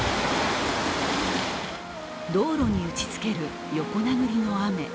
道路に打ちつける横殴りの雨。